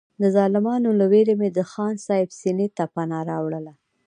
د ظالمانو له وېرې مې د خان صاحب سینې ته پناه راوړله.